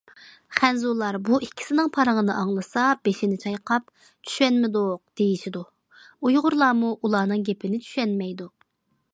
خەنزۇلار بۇ ئىككىسىنىڭ پارىڭىنى ئاڭلىسا، بېشىنى چايقاپ: چۈشەنمىدۇق دېيىشىدۇ، ئۇيغۇرلارمۇ ئۇلارنىڭ گېپىنى چۈشەنمەيدۇ.